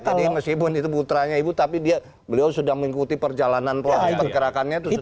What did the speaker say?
jadi mas ibu itu putranya ibu tapi beliau sudah mengikuti perjalanan proyek pergerakannya itu sudah jauh